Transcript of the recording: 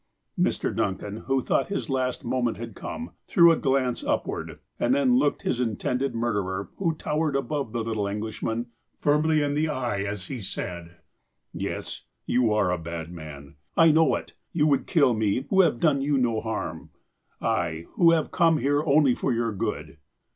Mr. Duncan, who thought his last moment had come, threw a glance upward, and then looked his intended murderer, who towered above the little Englishman, firmly in the eye, as he said : "Yes, you are a bad man. I know it. You would kill me, who have done you no harm. I, who have come here only for your good."